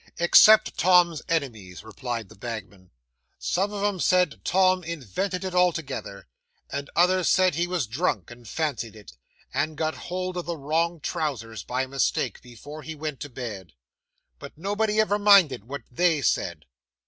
'Except Tom's enemies,' replied the bagman. 'Some of 'em said Tom invented it altogether; and others said he was drunk and fancied it, and got hold of the wrong trousers by mistake before he went to bed. But nobody ever minded what _they _said.